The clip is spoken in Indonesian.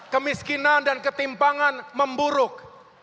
kemiskinan dan ketimpangan memburuk